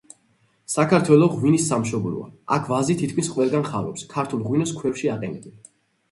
საქართველო ღვინის სამშობლოა, აქ ვაზი თითქმის ყველგან ხარობს, ქართულ ღვინოს ქვევრში აყენებენ.